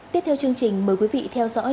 tiếp theo chương trình mời quý vị theo dõi